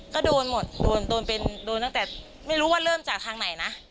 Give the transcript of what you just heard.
ก็โดนหมดโดนตั้งแต่ไม่รู้ว่าเริ่มจากทางไหนนะ